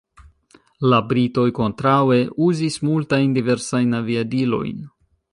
La britoj kontraŭe uzis multajn diversajn aviadilojn.